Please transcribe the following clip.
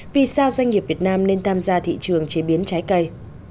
vì sao doanh nghiệp việt nam nên tham gia thị trường chế biến trái cây